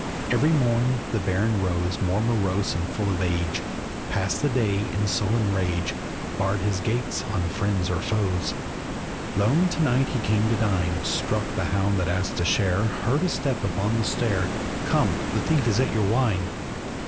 Every morn the Baron rose More morose and full of age; Passed the day in sullen rage, Barred his gates on friends or foes. Lone to night he came to dine, Struck the hound that asked a share, Heard a step upon the stair— "Come, the thief is at your wine!"